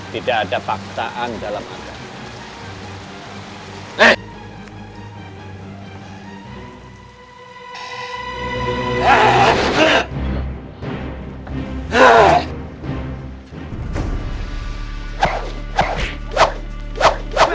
tidak ada faktaan dalam agama